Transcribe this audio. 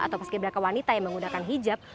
atau paski beraka wanita yang menggunakan hijab